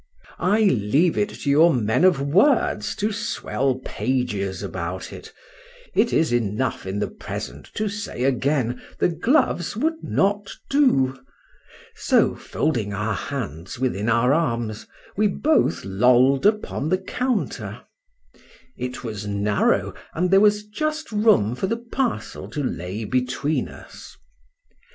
I leave it to your men of words to swell pages about it—it is enough in the present to say again, the gloves would not do; so, folding our hands within our arms, we both lolled upon the counter—it was narrow, and there was just room for the parcel to lay between us.